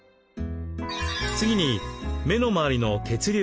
次に目の周りの血流改善。